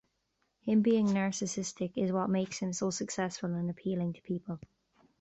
Him being narcissistic is what makes him so successful and appealing to people.